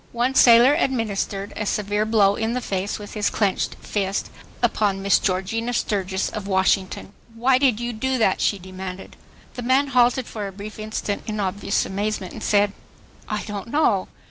One sailor administered a severe blow in the face with his clenched fist upon Miss Georgina Sturgis of Washington. "Why did you do that?" she demanded. The man halted for a brief instant in obvious amazement and said, "I don't know."